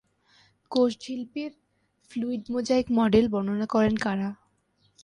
কোষঝিল্পির fluid mosaic model বর্ণনা করেন কারা?